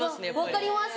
分かります。